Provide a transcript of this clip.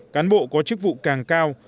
cán bộ có chức vụ càng cao